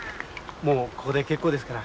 もうここで結構ですから。